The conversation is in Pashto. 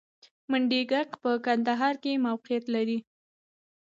منډیګک په کندهار کې موقعیت لري